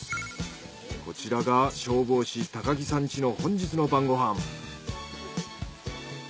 こちらが消防士木さん家の本日の晩ご飯。